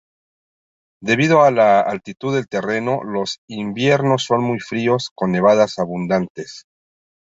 Debido a la altitud del terreno, los inviernos son muy fríos con nevadas abundantes.